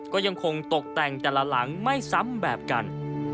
ก็ยังคงตกแต่งแต่ละหลังไม่ซ้ำแบบกัน